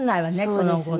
その後ね。